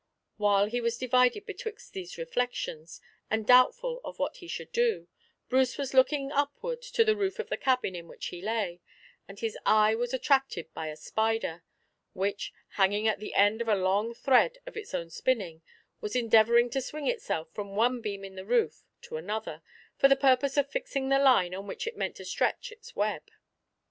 While he was divided betwixt these reflections, and doubtful of what he should do, Bruce was looking upward to the roof of the cabin in which he lay; and his eye was attracted by a spider, which, hanging at the end of a long thread of its own spinning, was endeavouring to swing itself from one beam in the roof to another, for the purpose of fixing the line on which it meant to stretch its web.